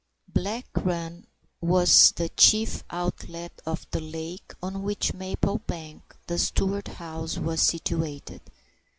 Black Run was the chief outlet of the lake on which Maplebank, the Stewart house, was situated.